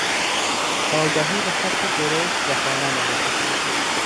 آگهی به خط درشت و خوانا نوشته شده بود.